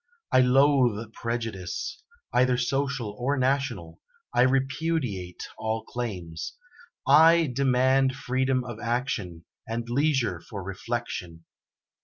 I loathe prejudice, either social or national; I repudiate all claims. I demand freedom of action and leisure for reflection.